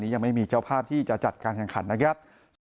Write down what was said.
ยังไม่มีเจ้าภาพที่จะจัดการแข่งขันนะครับ